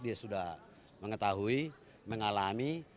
dia sudah mengetahui mengalami